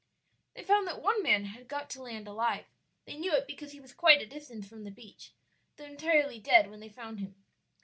"They found that one man had got to land alive; they knew it because he was quite a distance from the beach, though entirely dead when they found him.